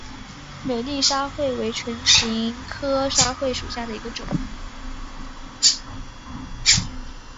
美丽沙穗为唇形科沙穗属下的一个种。